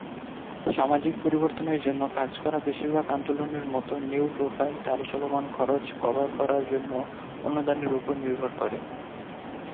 সামাজিক পরিবর্তনের জন্য কাজ করা বেশিরভাগ আন্দোলনের মতো, নিউ প্রোফাইল তার চলমান খরচ কভার করার জন্য অনুদানের উপর নির্ভর করে।